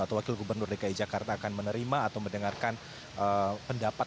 atau wakil gubernur dki jakarta akan menerima atau mendengarkan pendapat